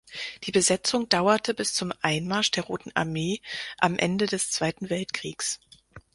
Die Besetzung dauerte bis zum Einmarsch der Roten Armee am Ende des Zweiten Weltkriegs.